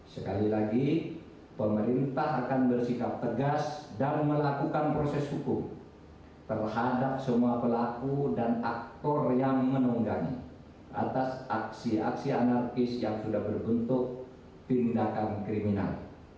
sekali lagi pemerintah akan bersikap tegas dan melakukan proses hukum terhadap semua pelaku dan aktor yang menunggangi atas aksi aksi anarkis yang sudah berbentuk tindakan kriminal